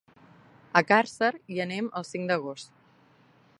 A Càrcer hi anem el cinc d'agost.